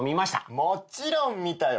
もちろん見たよ。